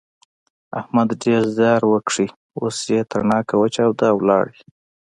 احمد ډېر زیار وکيښ اوس يې تڼاکه وچاوده او ولاړ.